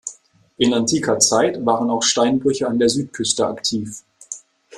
In antiker Zeit waren auch Steinbrüche an der Südküste aktiv.